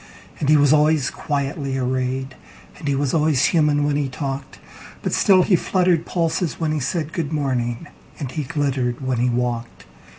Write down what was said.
And he was always quietly arrayed, And he was always human when he talked; But still he fluttered pulses when he said,"Good morning," and he glittered when he walked.